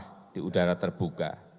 sampah di udara terbuka